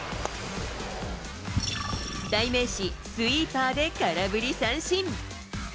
代名詞、スイーパーで空振り三振。